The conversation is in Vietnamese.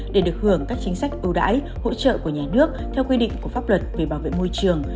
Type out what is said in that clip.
để được hưởng các chính sách ưu đãi hỗ trợ của nhà nước theo quy định của pháp luật về bảo vệ môi trường